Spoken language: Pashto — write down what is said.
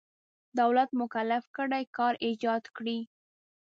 دولت مکلف کړی کار ایجاد کړي.